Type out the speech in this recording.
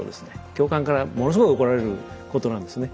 教官からものすごい怒られることなんですね。